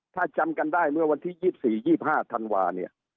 ถ้าจำกันได้เมื่อวันที่๒๔๒๕ธาวน์